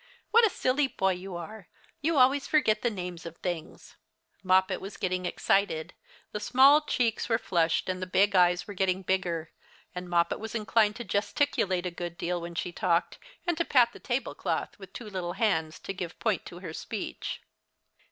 "What a silly boy you are: you always forget the names of things." Moppet was getting excited. The small cheeks were flushed, and the big eyes were getting bigger, and Moppet was inclined to gesticulate a good deal when she talked, and to pat the table *cloth with two little hands to give point to her speech.